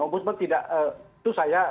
om budsman tidak itu saya